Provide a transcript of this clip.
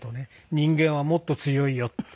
「人間はもっと強いよ」って。